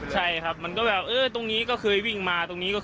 ใช่ครับมันก็แบบนะตรงนี้ก็เคยวิ่งมา